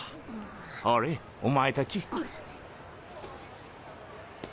ほれお前たち。